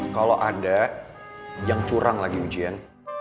kalau ada yang curang lagi ujian